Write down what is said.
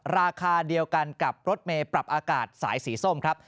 ราคาเดียวกันกับรถเมย์ปรับอากาศสายสีส้มครับ